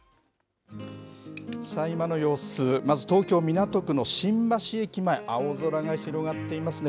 今の様子、まず、東京・港区の新橋駅前、青空が広がっていますね。